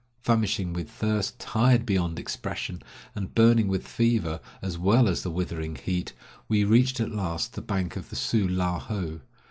Famishing with thirst, tired beyond expression, and burning with fever as well as the withering heat, we reached at last the bank of the Su la ho.